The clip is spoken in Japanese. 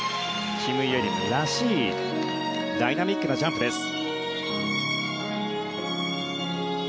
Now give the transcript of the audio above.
キム・イェリムらしいダイナミックなジャンプです。